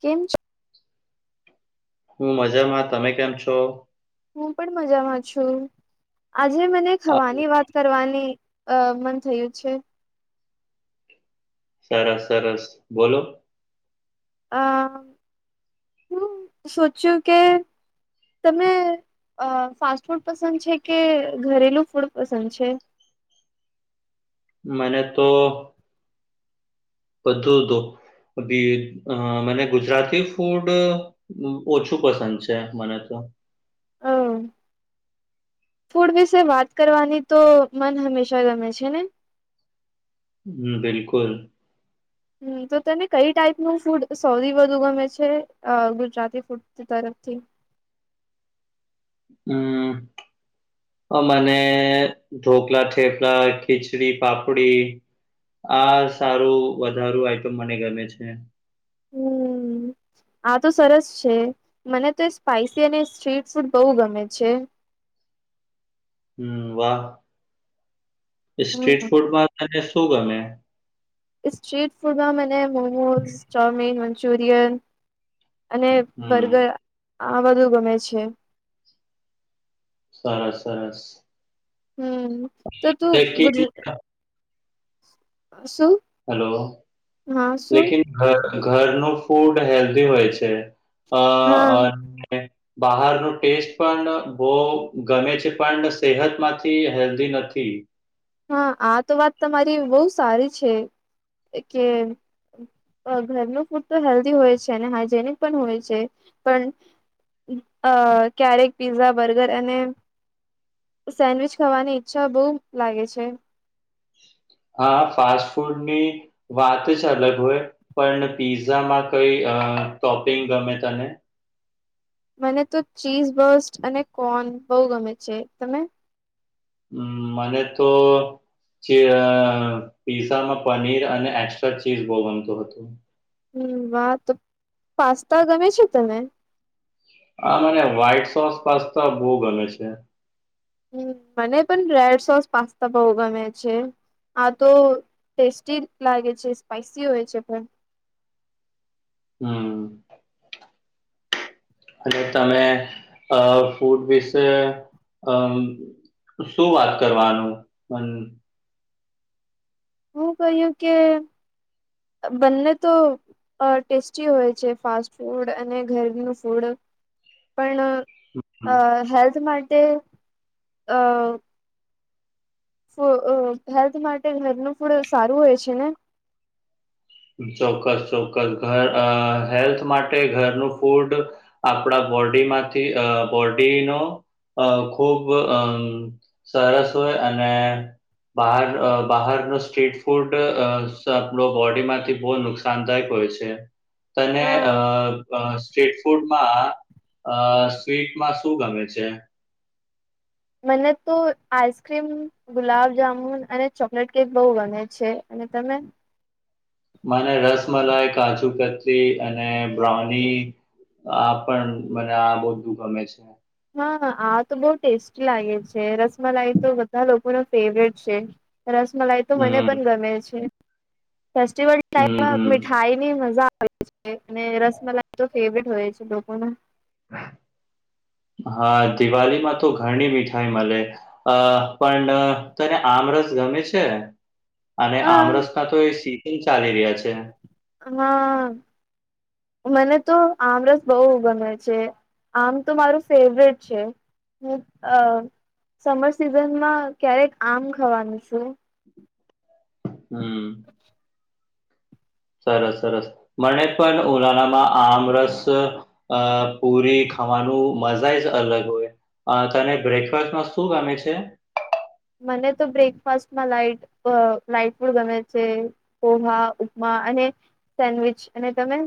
કેમ છો હું મજામાં તમે કેમ છો હું પણ મજામાં છું આજે મને અ ખાવાની વાત કરવાની અ મન થયું છે સરસ સરસ બોલો અ હું સોચ્યું કે તમે ફાસ્ટ ફૂડ પસંદ છે કે ઘરેલું ફૂડ પસંદ છે મને તો બધું તો ભી મને ગુજરાતી ફૂડ ઓછું પસંદ છે મને તો હ ફૂડ વિશે વાત કરવાની તો મન હંમેશા ગમે છે ને હમ બિલકુલ હમ તો તને કઈ ટાઈપનું ફૂડ સૌથી વધુ ગમે છે ગુજરાતી ફૂડ તરફથી હમ હ મને ઢોકળા થેપલા ખીચડી પાપડી આ સારું વધારું આઈટમ મને ગમે છે હમ આ તો સરસ છે મને તો સ્પાઈસી અને સ્ટ્રીટ ફૂડ બહુ ગમે છે હમ વાહ સ્ટ્રીટ હમ ફૂડમાં તને શું ગમે સ્ટ્રીટ ફૂડમાં મને મોમોઝ ચવમીન મંચુરિયન અને હમ બર્ગર આ બધું ગમે છે. સરસ સરસ. હમ તો તું લેકિન ગુજ શું હેલો હા શું લેકિન ઘરનું ફૂડ હેલ્ધી હોય છે અ હા અને બહારનો ટેસ્ટ પણ બહુ ગમે છે પણ સેહતમાંથી હેલ્ધી નથી હા આ તો વાત તમારી બહુ સારી છે કે ઘરનું ફૂડ તો હેલ્ધી હોય છે અને હાઈજેનિક પણ હોય છે પણ અ ક્યારેક પીઝા બર્ગર અને સેન્ડવીચ ખાવાની ઈચ્છા બોવ લાગે છે હા ફાસ્ટ ફૂડની વાત જ અલગ હોય પણ પીઝામાં કઈ અ ટોપિંગ ગમે તને મને તો ચીઝ બસ્ટ અને કોન બહુ ગમે છે, તમે? હમ મને તો [unintelligible] પીઝામાં પનીર અને એક્સ્ટ્રા ચીઝ બો બનતું હતું હમ વા તો પાસ્તા ગમે છે, તને? આ મને વ્હાઈટ સોસ પાસ્તા બો ગમે છે. હમ મને પણ રેડ સોસ પાસ્તા બો ગમે છે. આ તો ટેસ્ટી લાગે છે, સ્પાઈસી હોય છે, પણ હમમ. અને તમે અ ફૂડ વિશે અમ શું વાત કરવાનું પન? હું કહ્યું કે બંને તો અ ટેસ્ટી હોય છે, ફાસ્ટ ફૂડ અને ઘરનું ફૂડ પણ હમ, અ હેલ્થ માટે અ ફો અ હેલ્થ માટે નગનું ફૂડ સારું હોય છે, ને? ચોક્કસ ચોક્કસ ઘર અ હેલ્થ માટે ઘરનું ફૂડ આપણા બોડીમાંથી અ બોડીનો અ ખૂબ અ સરસ હોય અને બહાર અ બહાર નો સ્ટ્રીટ ફૂડ [unintelligible] બોડીમાં ટે બો નુકસાનદાયક હોય છે, તને અ હા અ સ્ટ્રીટ ફૂડમાં અ સ્વીટમાં શું ગમે છે? મને તો આઈસ્ક્રીમ ગુલાબ જામુન અને ચોકલેટ કેક બો ગમે છે, અને તમે? મને રસમલાઈ, કાજુ કતલી અને બ્રાઉની આ પણ મને આ બધું ગમે છે. હા આ તો બો ટેસ્ટી લાગે છે, રસમલાઈ તો બધા લોકો ન ફેવરેટ છે. રસમલાઈ તો મને હમ પણ ગમે છે, ફેસ્ટિવલ હમ [unintelligible] હમ મીઠાઈ ની મજા આવે છે, અને રસમલાઈ તો ફેવટ હોય છે, લોકો હા દિવાલીમાં તો ઘણી મીઠાઈ મલે અ પણ તને આમરસ ગમે છે? અને હા આમરસ ના તો એ સિઝન ચાલી રહ્યા છે. હા મને તો આમરસ બો ગમે છે. આમ તો મારું ફેવરેટ છે, હું અ સમર સિઝનમાં ક્યારેક આમ ખાવાનું છુ હમ. સરસ સરસ મને પણ ઉનાળામાં આમ રસ અ પૂરી ખાવાનું મજા જ અલગ હોય અ તને બ્રેકફાસ્ટમાં શું ગમે છે. મને તો બ્રેકફાસ્ટમાં લાઈટ અ લાઈટ ફૂડ ગમે છે. પોહા ઉપમા અને સેન્ડવીચ અને તમે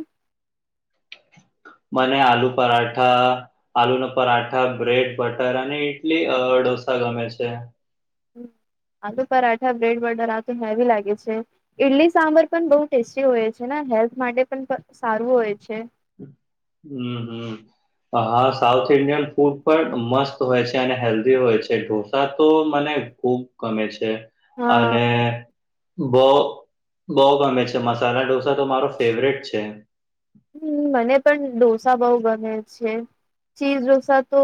મને આલુ પરાઠા આલુ ન પરાઠા બ્રેડ, બટર અને ઈટલી અ ડોસા ગમે છે. હમ આલુ પરાઠા બ્રેડ બર્ટર આ તો હેવી લાગે છે. ઇડલી સાંભર પણ બોવ ટેસ્ટી હોય છે, ને હેલ્થ માટે પણ સારું હોય છે. હમ હમ. હા સાઉથ ઇન્ડિયન ફૂડ પણ મસ્ત હોય છે, અને હેલ્ધી હોય છે, ઢોસા તો મને ખુબ ગમે છે હા અને બહુ બહુ ગમે છે. મસાલાઢોસા તો મારો ફેવરેટ છે. હમ મને પણ દો બઉ ગમે છે ચીઝ ઢોસા તો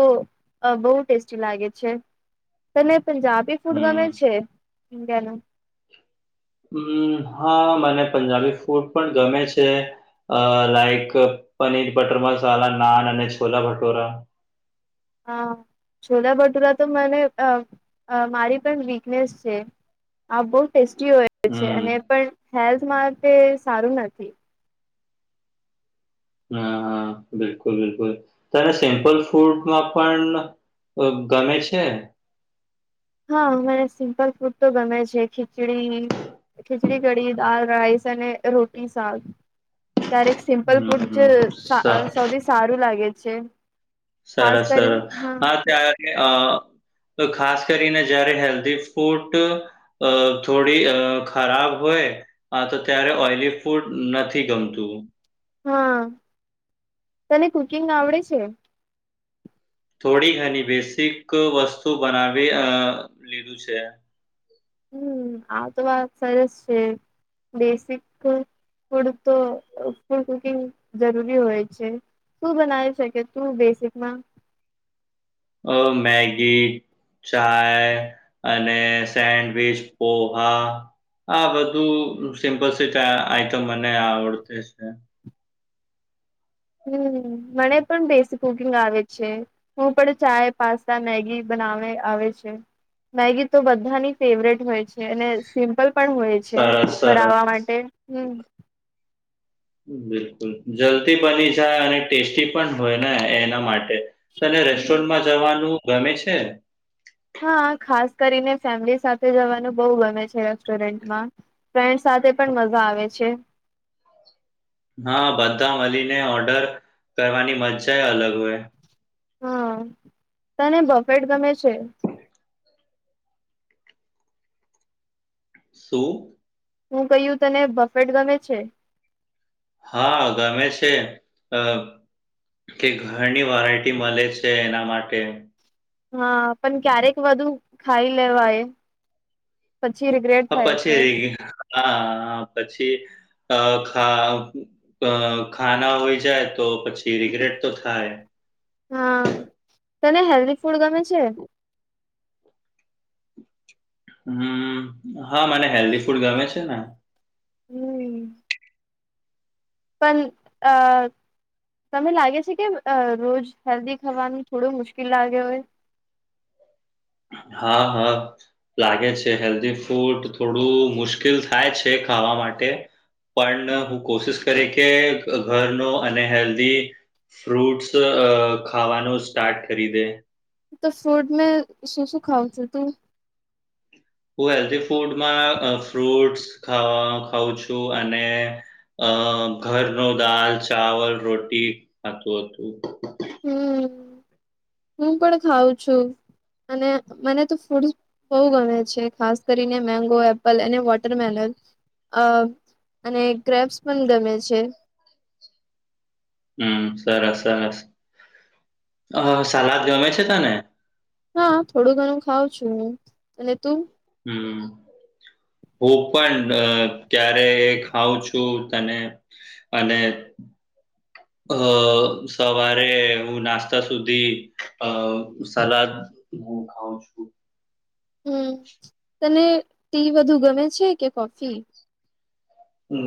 બહુ ટેસ્ટી લાગે છે. તને પંજાબી ફૂડ ગમે હમ છે ઇન્ડિયા નુ હમ હા મને પંજાબી ફૂડ પણ ગમે છે. અ લાઈક પનીર બટર મસાલા નાન અને છોલા ભટૂરા. હ છોલા ભટુરા તો મને અ અ મારી પણ વીકનેસ છે. આ બહુ ટેસ્ટી હોય છે હમ અને પણ હેલ્થ માટે સારું નથી. હા હ બિલકુલ બિલકુલ તને સિમ્પલ ફૂડમાં પણ ગમે છે હા મને સિમ્પલ ફૂડ તો ગમે છે ખીચડી. ખીચડી કડી દાલ રાઈસ અને રોટી શાક ક્યારેક. સિમ્પલ ફૂડ જે હમ સ- સૌથી સારું લાગે છે. ખાસ સરસ કરી સરસ હા ત્યારે અ તો ખાસ કરીને જયારે હેલ્ધી ફૂટ અ થોડી અ ખરાબ હોય. હા તો ત્યારે ઓઈલી ફૂડ નથી ગમતું હા તને કુકિંગ આવડે છે. થોડી ઘણી બેસિક વસ્તુ બનાવી અ લીધું છે. હમ આ તો વાત સરસ છે બેસિક. ફૂડ તો ફૂડ કુકિંગ જરૂરી હોય છે. શું બનાવી શકે તું બેસિકમાં. અ મેગી ચાય અને સેન્ડવીચ પોહા આ બધું સિમ્પલ સ આઈટમ મને આવડતી છે. હમ મને પણ બેસી કુકિંગ આવે છે. હું પણ ચાય પાસ્તા મેગી બનાવે આવે છે. મેગી તો બધાની ફેવરેટ હોય છે અને સિમ્પલ પણ હોય છે સરસ સરસ બનાવવા માટે હમ બિલકુલ જલ્દી બની જાય અને ટેસ્ટી પણ હોય ને એના માટે. તને રેસ્ટોરન્ટમાં જવાનું ગમે છે. હા ખાસ કરીને ફેમિલી સાથે જવાનું બહુ ગમે છે રેસ્ટોરન્ટમાં. ફ્રેન્ડ સાથે પણ મજા આવે છે. હા બધા મળીને ઓર્ડર કરવાની મજજા એ અલગ હોય. હા તને બફેટ ગમે છે. તુ હું કહું તને બફેટ ગમે છે. હા ગમે છે અ કે ઘણી વરાયટી મળે છે એના માટે હા પણ ક્યારેક વધુ ખાઈ લેવા એ પછી રિગ્રેટ અ થાય છે. પછી હા પછી અ ખા અ ખાના હોય જાય તો પછી રિગ્રેટ તો થાય. હા તને હેલ્દી ફૂડ ગમે છે. હમ હા મને હેલ્ધી ફૂડ ગમે છે ને હમ પણ અ તને લાગે છે કે રોજ હેલ્ધી ખાવાનું થોડું મુશ્કેલ લાગ્યો હોય. હા હા લાગે છે હેલ્ધી ફૂડ થોડું મુશ્કેલ થાય છે ખાવા માટે. પણ હું કોશિશ કરી કે ઘરનો અને હેલ્ધી ફ્રૂટ્સ અ ખાવાનું સ્ટાર્ટ કરી દે. તો ફૂડ મેં શું શું ખાઉં છું તું? હું હેલ્ધ ફૂડમાં ફ્રૂટસ ખઉં છું અને અ ઘર ન દાલ, ચાવલ, રોટી ખાતું હતું હમ હું પણ ખઉં છું અને મને તો ફૂડસ બઉુ ગમે છે ખાસ કરીને મેંગો, એપલ અને વોટરમેલન અ અને ગ્રેપ્સ પણ ગમે છે. હમ સરસ સરસ, સલાદ ગમે છે તને? હા થોડું ઘણું ખઉં છું હું. અને તું? હમ હું પણ ક્યારે ખઉં છું તને અને [inaudible] અ સવારે હું નાસ્તા સુધી અ સલાદ હું ખાઉ છું હમ તને ટી વધુ ગમે છે કે કોફી?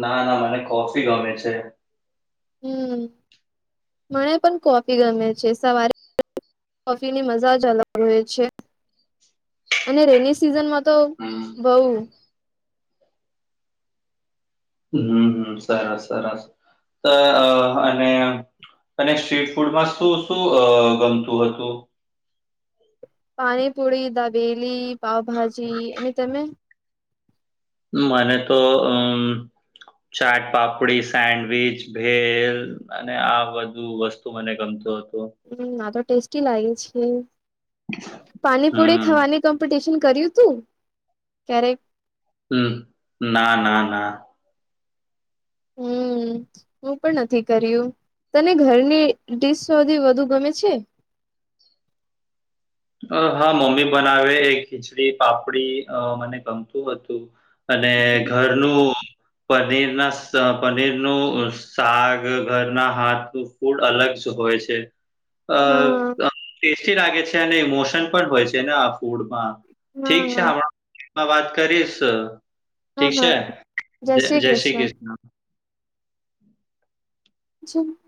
ના ના મને કોફી ગમે છે. હમ મને પણ કોફી ગમે છે સવારે કોફી ની મજા જ અલગ રહે છે. અને રેની સિઝનમાં તો હમ બઉ હમ હમ સરસ સરસ અને અને સ્ટ્રીટ ફૂડમાં શું શું ગમતું હતું? પાણીપુરી દાબેલી પાાવભાજી અને તમે? મને તો અમ ચાટ પાપડી સેન્ડવીચ ભેલ અને આ બધું વસ્તુ તું મને ગમતો હતુ. હમ ના તો ટેસ્ટી લાગે છે પાણીપુરી હમ ખાવાની કોમ્પિટિશન કર્યું તું ક્યારેક? હ ના ના ના હમ હું પણ નથી કર્યું તને ઘરની ડડીશ સૌધી વધુ ગમે છે? અ હા મમ્મી બનાવે એક ખીચડી પાપડી મને ગમતું હતું અને ઘરનું પનીર ના પનીર નું સાક ઘરના હાથ, ફૂડ અલગ જ હોય છે. હા અ ટેસ્ટી લાગે છે અને ઇમોશન પણ હોય છે ને આ ફૂડમાં હા ઠીક છે હા આપણામાં વાત કરીશ. હા ઠીક છે હા જ જય શ્રી કૃષ્ણ જી